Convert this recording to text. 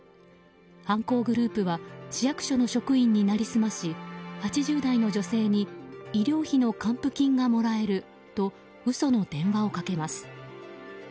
犯行グループは市役所の職員に成り済まし８０代の女性に医療費の還付金がもらえると嘘の電話をかけます。